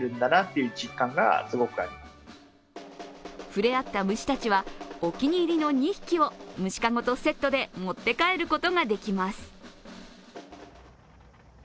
ふれあった虫たちはお気に入りの２匹を虫かごとセットで持って帰ることができます。